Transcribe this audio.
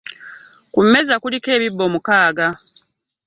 Ku mmeeza kuliko ebibbo mukaaga.